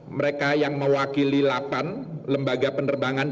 mereka yang mewakili delapan lembaga penerbangan